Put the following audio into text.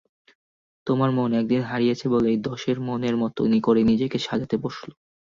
তোমার মন একদিন হারিয়েছে বলেই দশের মনের মতো করে নিজেকে সাজাতে বসল।